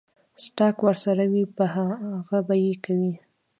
سټاک ورسره وي پۀ هغې به يې کوي ـ